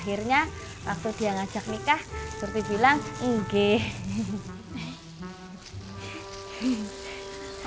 akhirnya waktu dia ngajak nikah seperti bilang ige